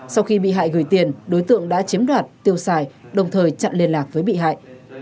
sau khi bị hại gửi tiền đối tượng đã chiếm đoạt tiêu xài đồng thời chặn liên lạc với bị hại